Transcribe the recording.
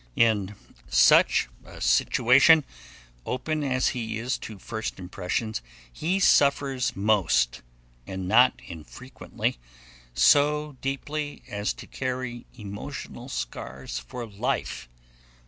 In such a situation, open as he is to first impressions, he suffers most, and not infrequently so deeply as to carry emotional scars for life.